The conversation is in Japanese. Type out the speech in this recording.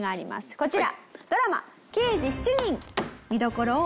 こちら！